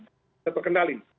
agar tetap terkendali